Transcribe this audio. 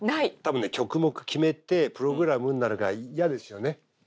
多分ね曲目決めてプログラムになるから嫌ですよね？